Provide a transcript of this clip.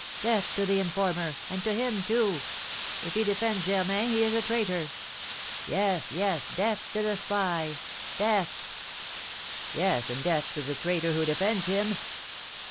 Death to the informer, and to him, too! If he defends Germain he is a traitor!" "Yes, yes, death to the spy! Death!" "Yes, and death to the traitor who defends him!"